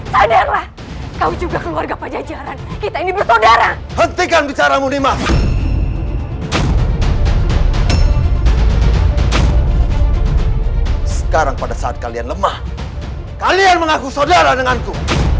sekarang pada saat kalian lemah kalian mengaku saudara denganku